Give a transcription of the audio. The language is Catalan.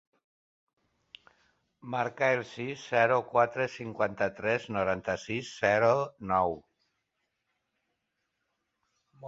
Marca el sis, zero, quatre, cinquanta-tres, noranta-sis, zero, nou.